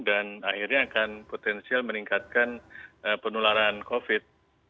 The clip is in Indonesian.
dan akhirnya akan potensial meningkatkan penularan covid